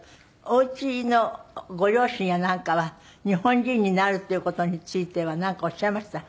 おうちのご両親やなんかは日本人になるっていう事についてはなんかおっしゃいました？